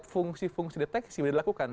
fungsi fungsi deteksi dilakukan